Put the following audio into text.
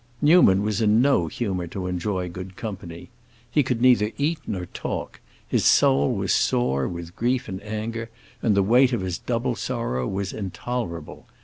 Newman was in no humor to enjoy good company. He could neither eat nor talk; his soul was sore with grief and anger, and the weight of his double sorrow was intolerable.